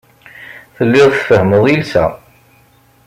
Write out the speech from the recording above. Telliḍ tfehhmeḍ iles-a.